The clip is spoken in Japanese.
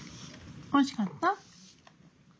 おいしかった？